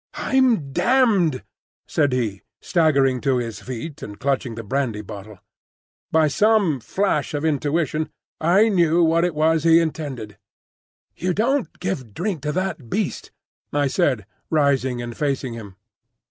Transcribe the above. "I'm damned!" said he, staggering to his feet and clutching the brandy bottle. By some flash of intuition I knew what it was he intended. "You don't give drink to that beast!" I said, rising and facing him.